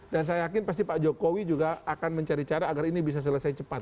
dan saya yakin pasti pak jokowi juga akan mencari cara agar ini bisa selesai cepat